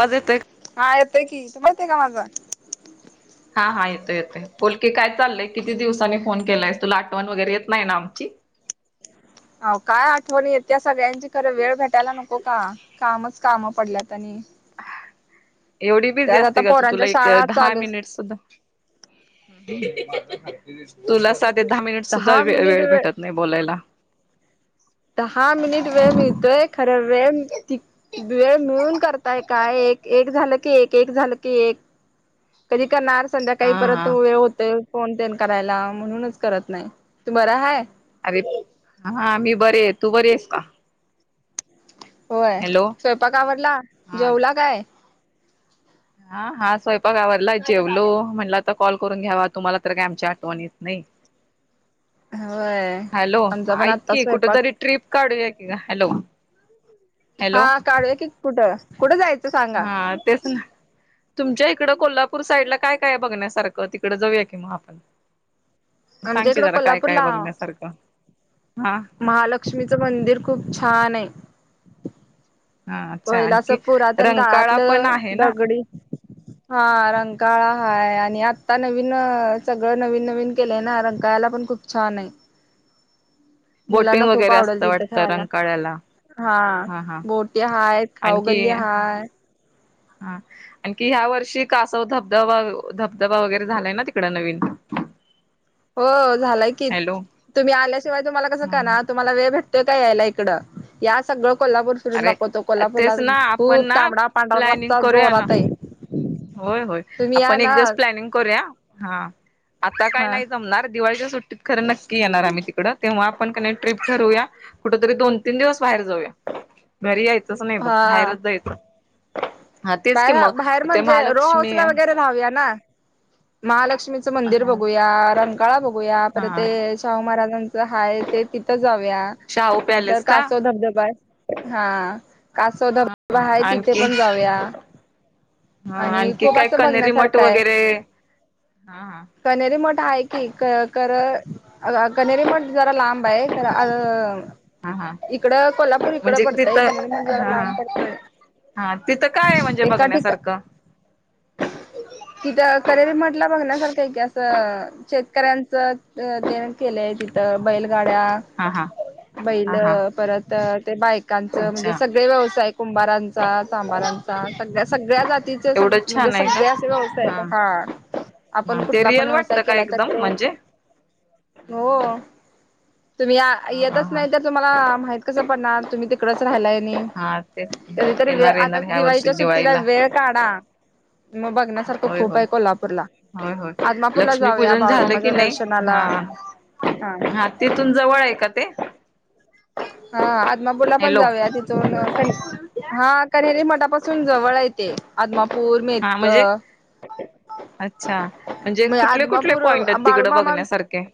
वाज येतोय हा येतोय की. तुला येतोय का माझा? हा- हा येतो येतोय बोल की काय चाललंय किती दिवसानी फोन केलायस तुला आठवण वगैरे येत नाही ना आमची? [inaudible] आवो काय आठवण येत्या सगळ्यांची. खरं वेळ भेटायला नको का? कामच कामं पडल्यात आणि एवढी बिझी त्यात आता असते का तू? तुला पोरांच्या एक शाळा दहा चालूच मिनिट सुद्धा [unintelligible] तुला साधे दहा मिनिट सुद्धा दहा वेळ मिनिट -वेळ भेटत नाही बोलायला. दहा मिनिट वेळ मिळातोय. खरं वेळ ती वेळ मिळून करताय काय एक- एक झालं की एक. एक झालं की एक. कधी करणार संध्याकाळी हा हा परत वेळ होतोय. फोन तेन करायला. म्हणूनच करत नाही तू बरं हाय? अरे! हा मी बरी आहे. तू बरी आहेस का? होय. हॅलो स्वयंपाक आवरला? हा जेवला काय? हा-हा स्वयंपाक आवरला जेवलो म्हटल आता कॉल करून घ्यावा तुम्हाला तर काय आमच्या आठवण येत नाही. होय हॅलो आमचा पण ऐक आत्ता की. कुठ स्वयंपाक तरी ट्रिप काढूया की ग. हॅलो हॅलो हा काढूया की कुठं-कुठं जायचं सांग? हा तेच ना. तुमच्या इकडं कोल्हापूर साईड ला काय-काय बघण्यासारखं तिकड जाऊया कि मग आपण. सांग आमच्या की इकडं जरा काय-काय कोल्हापूरला बघण्यासारखं. हा महालक्ष्मीचं मंदिर खूप छान आहे. हा अच्छा पहिल असं आणखी पुरातन रंकाळा पण काळातलं आहे ना दगडी - - हा रंकाळा हाय आणि आता नवीन सगळं नवीन-नवीन केलंय ना रंकाळला पण खुप छन आहे. मुलांना बोटिंग खूप वगैरे असत आवडेल तिथं वाटत खायला रंकाळ्याला हा-हा ते हायत खाऊगल्ली हाय हा आणखी ह्या वर्षी कासव धबधबा-धबधबा वगैरे झालाय ना तिकड नवीन. [inaudible] हो झालाय की. हॅलो तुम्ही आल्याशिवाय तुम्हाला कसं ह कळणार? तुम्हाला वेळ भेटतोय का यायला इकडं? या सगळं कोल्हापूर फिरून अरे दाखवतो कोल्हापूरला तेच ना आपण खूप ना तांबडा पांढरा रस्सा जोरात आहे. होय-होय तुम्ही या आपण एक ना दिवस प्लॅनिंग करूया. हा आता काय हा नाही जमणार दिवाळीच्या सुट्टीत खरं नक्की येणार आम्ही तिकडं. तेव्हा आपण कणी ट्रीप ठरूया कुठंतरी दोन तीन दिवस बाहेर जाऊया. घरी यायचंच नाही बघ बाहेरच जायचं. हा तेच की मग बाहेर-बाहेर ते म्हणजे रो हाऊस महालक्ष्मी ला वगैरे राहूया ना. महालक्ष्मीचं मंदिर हा बघूया रंग रंकाळा बघूया पर ते हा शाहू महाराजांचं हाय ते तिथं जाऊया. शाहू नंतर पॅलेस का कासव धबधबा हाय हा. कासव धबधबा हा आहे तिथे आणखी पण जाऊया. हा आणि आणखी खूप काय असं बघण्यासारखं आहे. हा-हा कनेरी मठ हाय की क कर अ कनेरी मठ जरा लांब आहे तर अगं हा हा इकड कोल्हापूर ई ''--'' म्हणजे तिथं हा हा हा, तिथं काय आहे म्हणजे एका ठिका बघण्यासारखं. [inaudible] तिथ करेरी म्हटलं बघण्यासारखं आहे की असं. शेतकऱ्यांचं ते केलंय तिथं बैलगाड्या. हा हा हा बैल हा परत ते बायक''--'' कांच म्हणजे अच्छा सगळे व्यवसाय कुंभारांचा चाबारांचा सगळ्या सगळ्या जातीच सगळे. एवढंच म्हणजे छान आहे का? सगळ्यास व्यवसाय हा. हा आपण ते कुठला पण रियल व्यवसाय वाटतं का केला तर एकदम तो म्हणजे. हो तुम्ही या हा हा येतच हा नाही तर तुम्हाला माहित कसं. पण तुम्ही तिकडच राहिलाय आणि हा तेच कधीतरी वेळ येणार आता येणार ह्या वर्षी दिवाळीच्या सुट्टीला दिवाळीला वेळ. काढा मग बघण्यासारखं होय खूप होय. आहे कोल्हापूरला. होय होय आदमापूरला जाऊया लक्ष्मीपूजन झालं की बाळबामाच्या नाही दर्शनाला चालतंय. तीथून जवळ आहे का ते? हा आदमापूरला पण हॅलो जाऊया तिथ. दोन कनेरी हा कणेरी मठापासून जवळ आहेत. ते आदमापूर हा मेदक. म्हणजे अच्छा म्हणजे कुठले कुठले आदमापूर पॉइंट आहेत तिकड बाळूमामा बघण्यासारखे.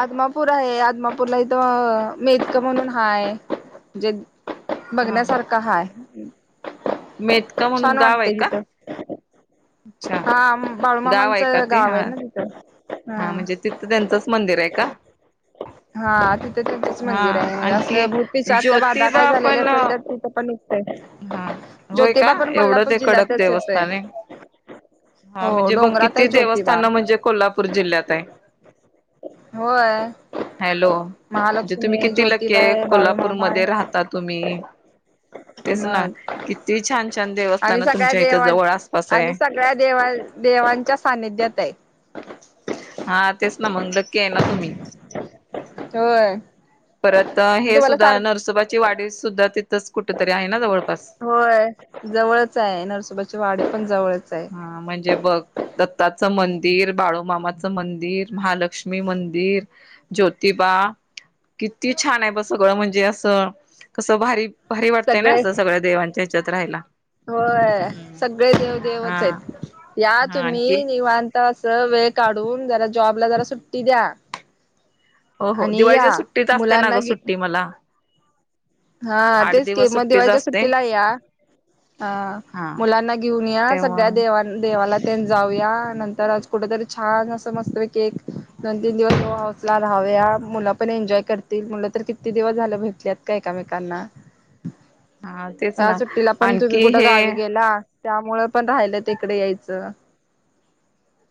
आदमापूर आहे आदमापूरला इथं. मेदक म्हणून हाय म्हजे हा हा बघण्यासारखा हाय. मेतका म्हणून छान गाव आहे वाटते का? तिथं. अच्छा हा गाव आहे का बाळूमामांचं ते गाव हा आहे ना तिथं. हा म्हणजे तिथं त्यांचंच मंदिर आहे का. त्यांच हा मंदिर आहे म्हणजे आणखी अस भूतीच्या आच्या बाधा काय ज्योतिबा झालेली पण असेल त्या तिथं पण हा होय का ज्योतिबा पण एवढं कोल्हापूर ते कडक जिल्ह्यातच येतोय देवस्थान हाय. हा हो म्हणजे बघ डोंगरात आहे किती ज्योतिबा देवस्थानं म्हणजे कोल्हापूर जिल्ह्यात हाय. होय. हॅलो म्हणजे तुम्ही महालक्ष्मी किती ज्योतिबा लके आहे बाळूमामा आहे कोल्हापूरमध्ये राहता तुम्ही. तेच ना मग किती छान छान आम्ही देवस्थान सगळ्या तुमच्या इथे देवां जवळ आसपास हाय. आम्ही सगळ्या देवा देवांच्या सानिध्यात आहे. हा तेच ना मग लकी आहे ना तुम्ही. होय. परत हे तुम्हाला सुद्धा सारख नरसोबाची वाढ सुद्धा तिथंच कुठ तरी आहे ना जवळपास. होय जवळच आहे नरसोबाची वाडी पण जवळच आहे. हा म्हणजे ब दत्ताचं मंदिर बाळूमामाचं मंदिर महालक्ष्मी मंदिर. ज्योतिबा किती छान आहे ब सगळं म्हणजे असं कसं भारी. भरी वाटतेय ना सगळे असं सगळ्या देवांच्या हिच्यात राहायला. होय सगळे देव हा देेवच आहेत या हा आणखी तुम्ही निवांत. अस वेळ काढून जरा जॉबला जरा सुट्टी द्या. हो हो आणि या दिवाळीच्या सुट्टीच असते ना मुलांना ग''--'' सुट्टी मला हा आठ तेच के दिवस मग सुट्टीच दिवाळीच्या असते सुट्टीला या. हा मुलांना घेऊन या तेव्हा सगळ्या देवा ''--'' देवाला ते जाऊया नंतर आज कुठ तरी छान असं मस्त एक. दोन तीन दिवस हो हाऊसला राहावया मुलं पण एन्जॉय करतील मुलं तर किती दिवस झालं भेटल्यात काय. एकमेकांना हा तेच त्या ना सुट्टीला पण तुम्ही आणखी कुठ गावी हे गेला. त्यामुळ पण राहिलं तिकडे यायचं.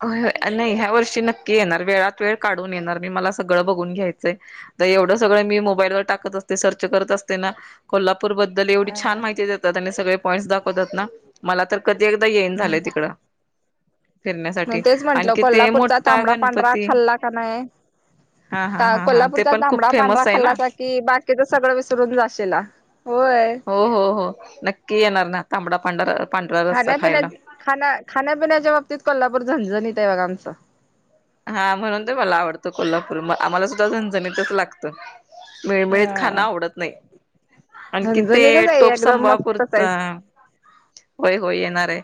होय, होय नाही ह्या वर्षी नक्की येणार, वेळात वेळ काढून येणार मी मला सगळं बघून घ्यायचंय. तर एवढं सगळं मी मोबाईलवर टाकत असते सर्च करत असते ना. कोल्हापूर बद्दल एवढी छान हा माहिती देतात आणि सगळे पॉईंट्स दाखवतात ना मला तर कधी एकदा येईन झालंय तिकड फिरण्यासाठी म तेच म्हंटल आणखी ते कोल्हापूरचा मोठा तांबडा, पांढरा गणपती खाल्ला का नाही? हा हा ह हा हा ते कोल्हापूरचा पण खूप तांबडा, पांढरा फेमस आहे ना खल्लासाकी बाकी कि तिथ सगळं विसरून जाशीला, होय. हो हो हो नक्की येणार ना तांबडा, पांढर खाण्यापिण्यात खा खाण्यापिण्याच्या बाबतीत कोल्हापूर झणझणीत आहे बघा आमचं. हा म्हणून ते मला आवडत कोल्हापूर म आम्हाला सुद्धा झणझणीतच लागत. मिळमिळीत खाण हा आवडत नाही. आणि किथे झणझणीतच आहे टोप एकदम मस्तच आहे संभापूरचा होय, होय येणार आहे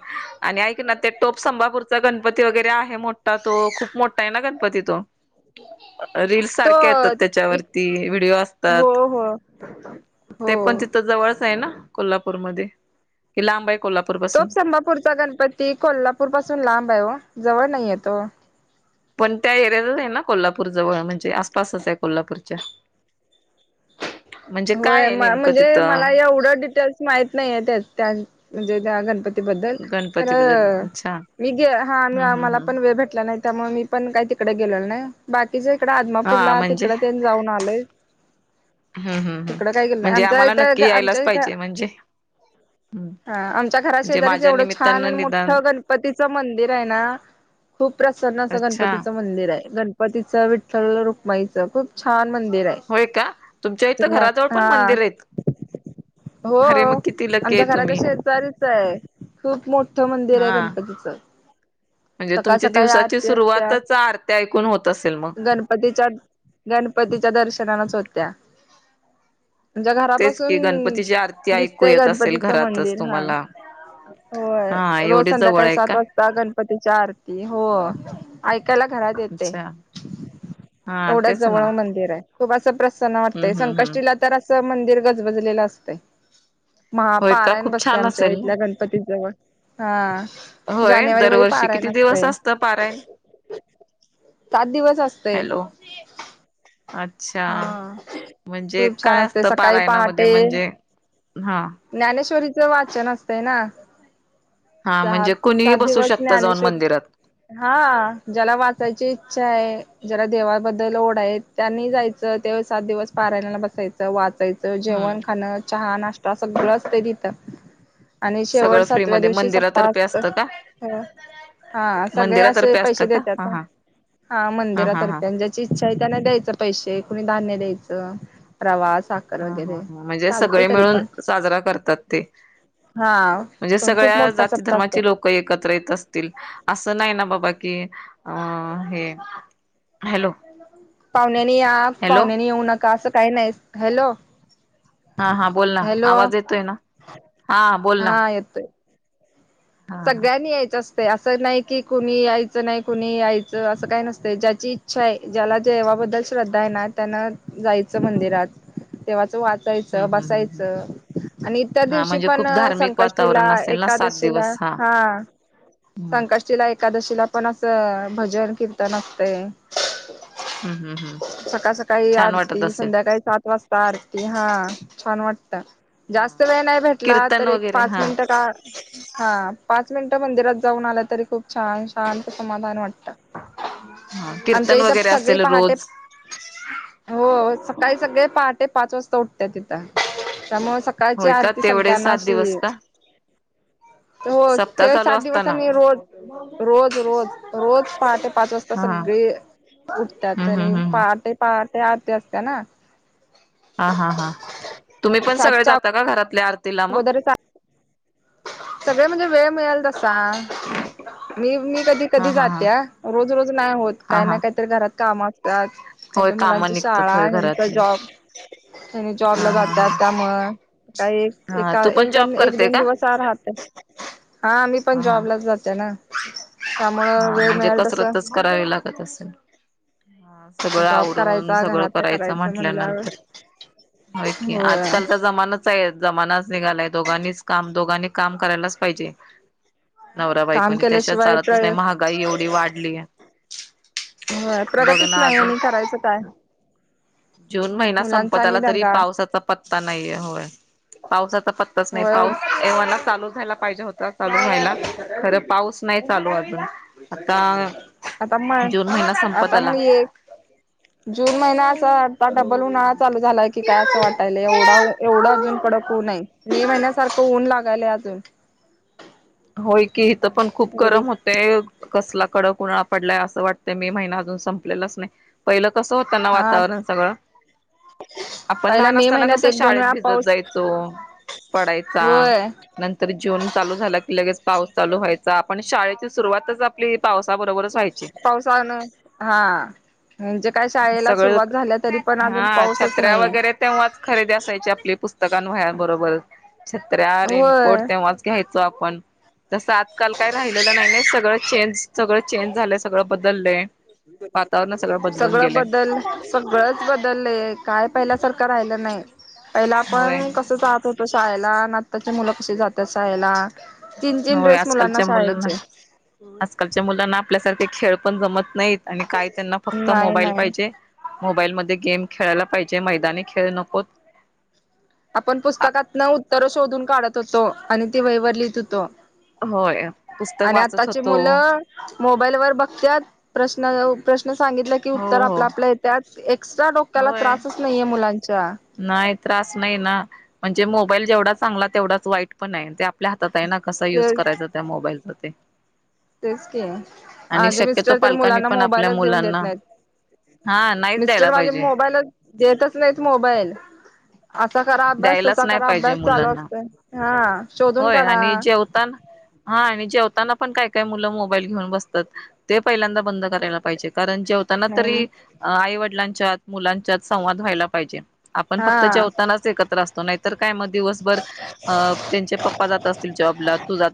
आणि ऐक ना ते टोप संभापूरचा गणपती वगैरे आहे मोठा तो खूप मोठा आहे ना गणपती तो? रिल्स तो सारख्या येतात एक त्याच्यावरती व्हिडिओ असतात. हो हो ते पण हो. तिथ जवळच आहे ना कोल्हापूर मध्ये कि लांब आहे कोल्हापूर? तोप पासून संभापूरचा गणपती कोल्हापूर पासून लांब आहे हो जवळ नाहीय तो. पण त्या एरिया आहे ना कोल्हापूर जवळ म्हणजे आसपासच आहे कोल्हापूरच्या. म्हणजे होय काय आहे नेमकं म्हणजे मला तिथं एवढं डिटेल्स माहत नाहीय त्या त्या म्हणजे त्या गणपती बद्ल गणपती बद्दल अच्छा मी हम्म हा हम्म मला पण हम्म वेळ भेट नाही त्यामुळे मी पण काही तिकडे गेलेलो नाही बाकीच्या इकड हा आदमापूरला म्हणजे तिकडे ते जाऊन आलोय. हम्म हम्म हम्म तिकड काय केलो नाही म्हणजे आमच्या आम्हाला इथ नक्की आमच्या यायलाच इ पाहिजे म्हणजे हा आमच्या घरा म्हणजे शेजारीच माझ्या एवढं छान निमित्तानं आणि निदान मोठं गणपतीचं मंदिर आहे ना. खूप प्रसन्न अस अच्छा गणपतीच मंदिर आहे गणपतीचं विठ्ठलं रुकमाईचं खूप छान मंदिर आहे. होय का? तुमच्या इथं तुम्ही घराजवळ पण हा, मंदिर आहेत हो अरे मग किती लकी आहे आमच्या घराच्या तुम्ही शेजारीच है. खूप मोठं मंदिर हाय हा गणपतीचं. म्हणजे सकाळ, तुमची सकाळी दिवसाची आरती सुरुवातच आरत्या ऐकून होत असेल मग असत्यात गणपतीच्या गणपतीच्या दर्शनानच होत्या. आमच्या तेच घरापासून की गणपतीची आरती ऐकू दिसतेय येत असेल गणपतीचं मंदिर घरातच हा. तुम्हाला होय हा रोज एवढी जवळ संध्याकाळी आहे सात का वाजता गणपतीच्या आरती हो ऐकायला घरात येतय अच्छा हा एवढ्या तेच ना जवळ मंदिर हाय. खूप असं प्रसन हम्म वाटतंय हम्म हम्म संकष्टीला तर असं मंदिर गजबजलेलं असतंय. महा होय का पारायण खूप बसते छान आमच्या असेल इथल्या गणपती जवळ हा. होय जानेवारी मध्ये दरवर्षी पारायण किती दिवस असतय असतं पारायण? सात दिवस असतय हॅलो, अच्छा. हा म्हणजे खूप छान काय असते असतं सकाळी पारायणामध्ये पहाटे म्हणजे हा? ज्ञानेश्वरीचं वाचन असतंय ना. हा सात, म्हणजे कुणीही सात बसू दिवस शकतं जाऊन ज्ञानेश्वरी मंदिरात हा ज्याला वाचायची इच्छा आहे ज्याला देवाबद्दल ओढ आहेत त्यांनी जायचं त्यावेळी सात दिवस पारायणाला बसायचं. वाचायचं हम्म जेवण, खाणं, चहा, नाश्ता सगळंच असतंय तिथं. आणी शेवट सगळं फ्री सातव्या मध्ये दिवशी सप्ताह मंदिरातर्फे का असतं. हा सगळे अशे मंदिरातर्फे असतं पैशे का हा देत्यात, हा हां हा हा हा मंदिरातर्फे अन ज ची इच्छा य, त्यांन द्यायचं पैशे, कुणी धान्य द्यायचं, प्रवास हां हां हां, म्हणजे सगळे मिळून साजरा करतात. ते, हा म्हणजे पण खूप सगळ्या मोठा जाती सप्ताह असतो धर्माचे लो कं एकत्र येत असतील, अस नाही ना बाबा की, अ हे हॅलो? पाहुण्यांनी या, हॅलो पाहुण्यानी येऊ नका, असं काही नाही, हॅलो? हा हा बोल ना हॅलो? आवाज येतोय ना हा बोल ना हा येतोय. हा हा सगळ्यांनी यायचं अस त, असं नाही की कुणी यायचं नाही, कुणी यायचं, असं काय नसतंय, ज्याची इच्छा ये, ज्याला देवाबद्दल हा श्रद्धा ये ना, त्यांन जायचं मंदिरात. देवाचं हम्म वाचायचं, हम्म हम् बसायचं आणि इतर हा दिवशी म्हणजे पण खूप धार्मिक संकष् टीला, वातावरण असेल ना सात एकादशीला, दिवस हा हां [inaudible] टीला, एकादशीला, पण असं भजन, कीर्तन असतंय. ह्म. सकाळ-सकाळी आरती, संध्याकाळी सात वाजता आरती, हां. छान वाटत, जास्त वेळ नाही भेटला, तर कीर्तन एक वगैरे पाच हा मिनटं का हां, पाच मिनटं मंदिरात जाऊन आलं, तरी खूप छान शांत समाधान वाटतं. हं, आमच्या कीर्तन इथं वगैरे सगळी असेल पहाटे रोज? हो अ सकाळी सगळे पहाटे पाच वाजता उठत्या, तिथं त्यामुळे सक काळची होय का आरती तेवढे सगळ्यांना सात अशी, दिवस का हो सप्ताह ते चालू सात दिवस असताना आणि रोज-रोज, रोज पहाटे पाच वाजता हा सगळी उठत्यात हम्म हम्म आणि हम्म पहाटे-पहाटे आरती असते ना? हा हा हां, तुम्ही पण सगळे सातच्या जाता का घरातले आरतीला मग? [unintelligible] सगळे, म्हणजे वेळ मिळेल तसा, मी-मी, हा कधी-कधी हा हा जातीया. रोज-रोज नाही होत, हा काय ना हा काही तर घरात काम त्यात काय होय त काम मुलांची निघतात शाळा, होय ह्यांचा घरातले जॉब. ते जॉबला हा हा जात्यात, हा त्यामुळं काई हा तू पण जॉब एका-एकन, करते एक-दोन का दिवस चार हात, हां मी पण हा जॉबलाच जाते ना. त्यामुळं वेळ मिळेल तस. करावे लागत असल. सगळ जॉब आवरून, करायचा सगळं घरात करायचं म्हणल्यावर म्हंटल्यानंतर, होय कि आजकालचा जमानच हाय, जमानाच निघालाय दोघांनीच काम, दोघांनी काम करायलाच पाहिजे. नवरा काम बायकोणी, त्या शिवाय केल्याशिवाय चालतच प्र नही, महागाई एवढी वाढली य. होय प्रगतीच नाही अजून आणि करायचं काय? जून महिना मुलांचा संपत आणि आला, तरी दंगा पावसाचा पत्ता नाहीये, होय. पाऊसाचा पत्ताच नही, होय पाऊस एव्हा ना चालू झाला पाहिजे होता, चालू व्हायला, खरं पाऊस नाही चालू अजून आता, आता म जून महिना संपत आता आला. मी एक जून महिना असा, आता डबल होऊन आत चालू झालाय की काय, असं वाटायल, एवढा एवढं अजून कडक ऊन ये. मे महिन्यासारखं ऊन लागायलय अजून. होय की, इथ पण खूप एवढी गरम होत. ते कसला कडक उन्हाळा पडलाय असं वाटतंय मे महिना अजून संपलेलाच नाही पहिलं कसं होतं त्यांना हा वातावरण सगळं आपण पहिला लहान मे असताना महिन्यात कसं एक दोन शाळेत वेळा भिजत पाऊस जायचो. पडायचा होय नंतर जून चालू झाला लगेच पाऊस चालू व्हायचा आपण शाळेची सुरुवातच आपली पावसाबरोबरच व्हायची पावसाळन हा म्हणजे काय शाळेला सुरुवात सगळं झाल्या तरी पण अजून हा पाऊसच छत्र्या नाहीये. वगैरे तेव्हाच खरेदी असायची आपली पुस्तकं आणि वह्या बरोबर छत्र्या रेन कोट होय तेव्हाच घ्यायचो आपण. तसं आजकाल काय राहिलेलं नाही-नाही सगळं चेंज सगळं चेंज झालंय सगळं बदललंय वातावरण बदलून सगळं गेलंय बदल सगळच बदललय काय पहिल्या सारखं राहिलेलं नाही. पहिला होय आपण कसं जात होतो शाळेला अन आताचे मुलं कशी जातात शाळेला तीन-तीन होय ड्रेस मुलांना आजकालच्या शाळेचे. आजकालच्या मुलांना आपल्यासारखे खेळ पण जमत नाहीत आणि काय त्यांना फक्त नाही मोबाईल नाही. पाहिजे. मोबाईलमध्ये गेम खेळायला पाहिजे मैदानी खेळ नकोत. आपण पुस्तकातनं उत्तरं शोधून काढत होतो आणि ती वहीवर लिहित होतो. होय पुस्तक आणि वाचत आताची होतो. मुलं मोबाईल वर बघत्यात प्रश्न-प्रश्न सांगितला की हो उत्तर हो आपलं आपलं ये त्यात एक्स्ट्रा डोक्याला होय त्रासच नाहीये मुलांच्या. नाही त्रास नाही ना म्हणजे मोबाईल जेवढा चांगला तेवढाच वाईट पण आहे ते आपल्या हातात आहे ना कसा ते युज करायचा त्या मोबाईलच ते तेच की आणि माझे शक्यतो मिस्टर तर पालकांनी मुलांना पण आपल्या मोबाईलच देऊन देत मुलांना नाहीत. हा नाहीच द्यायला मिस्टर माझे पाहिजे मोबाईलच देतच नाहीत मोबाईल असा करा अभ्यास द्यायलाच तसा नाही करा पाहिजे अभ्यास चालू मुलांना असतय हा शोधून होय काढा. आणि जे ताना हा आणि जेवताना पण काय-काय मुलं मोबाईल घेऊन बसतात ते पहिल्यांदा बंद करायला पाहिजे कारण जेवताना नाही तरी आई वडिलांच्यात मुलांच्यात संवाद व्हायला पाहिजे आपण फक्त हा जेवतानाच एकत्र असतो नाही तर काय मग दिवसभर त्यांचे पप्पा जात असतील जॉबला तू जात